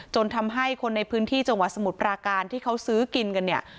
จนทำให้คนในพื้นที่จังหวัดสมุทรปราการที่เขาซื้อกินกันเนี่ย